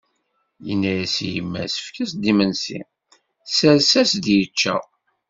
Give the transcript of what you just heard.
Yenna-as i yemma-s: Efk-as-d imensi, tesres-as-d yečča.